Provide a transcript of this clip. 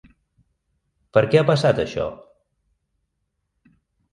Per què ha passat això?